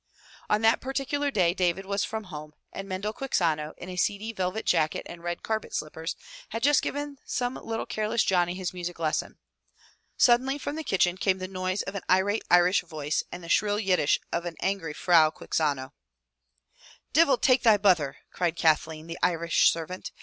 On that particular day David was from home, and Mendel Quixano, in a seedy velvet jacket and red carpet slippers, had just given some little careless Johnny his music lesson. Sud denly from the kitchen came the noise of an irate Irish voice and the shrill Yiddish of an angry Frau Quixano. i8i MY BOOK HOUSE "Divil take the butther! cried Kathleen, the Irish servant.